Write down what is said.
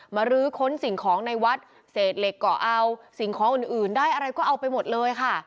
รื้อค้นสิ่งของในวัดเศษเหล็กเกาะเอาสิ่งของอื่นได้อะไรก็เอาไปหมดเลยค่ะ